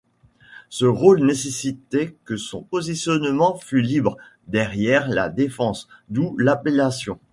Ce rôle nécessitait que son positionnement fût libre, derrière la défense, d'où l'appellation.